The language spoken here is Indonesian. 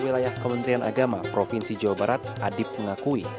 wilayah kementerian agama provinsi jawa barat adib mengakui